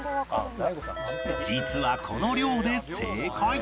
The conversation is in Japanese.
実はこの量で正解！